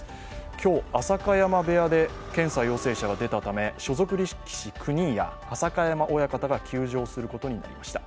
今日、浅香山部屋で検査陽性者が出たため所属力士９人や浅香山親方が休場することになりました。